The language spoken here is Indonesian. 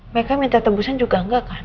mereka minta tebusan juga enggak kan